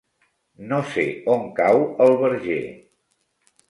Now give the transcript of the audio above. No sé on cau el Verger.